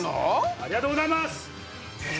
ありがとうございます！